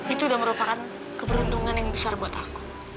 itu udah merupakan keberuntungan yang besar buat aku